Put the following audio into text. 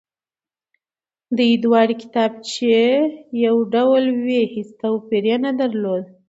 دې دواړې کتابچې يو ډول وې هېڅ توپير يې نه درلود،